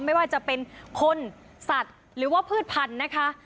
ไม่ว่าจะเป็นคนสัตว์หรือว่าพืชพันธุ์นะคะ